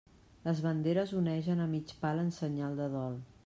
Les banderes onegen a mig pal en senyal de dol.